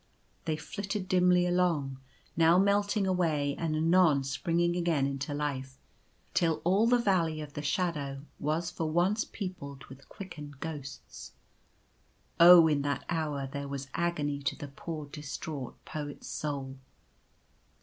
They flitted dimly along, now melting away and anon springing again into life — till all the Valley of the Shadow was for once peopled with quickened ghosts. Oh, in that hour there was agony to the poor dis traught Poet's soul.